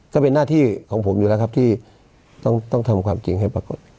ก็เป็นหน้าที่ของผมอยู่แล้วครับที่ต้องทำความจริงให้ปรากฏ